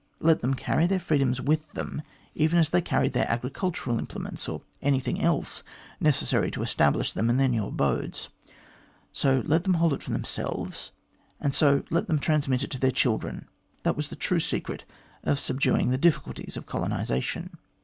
Let them carry their freedom with them even as they carried their agricultural implements, or any thing else necessary to establish them in their new abodes. So let them hold it for themselves, and so let them trans mit it to their children. That was the true secret of sub duing the difficulties of colonisation.